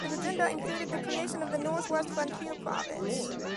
His agenda included the creation of the North-West Frontier province.